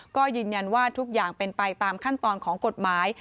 ก็ยืนยันว่าทุกอย่างเป็นไปตามขั้นตอนของกฎหมาย